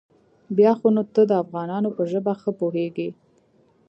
بيا خو نو ته د افغانانو په ژبه ښه پوېېږې.